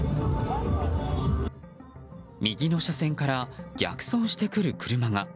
右の車線から逆走してくる車が。